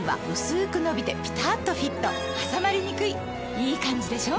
いいカンジでしょ？